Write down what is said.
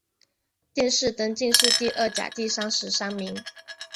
殿试登进士第二甲第三十三名。